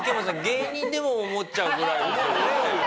芸人でも思っちゃうぐらいですよね。